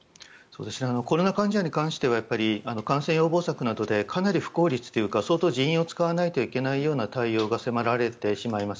コロナ患者に関しては感染予防策などでかなり不効率というか相当、人員を使わないといけないような対応が迫られてしまいます。